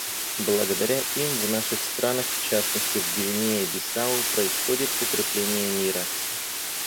Благодаря им в наших странах, в частности в Гвинее-Бисау, происходит укрепление мира.